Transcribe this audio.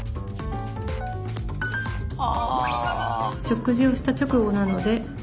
あ。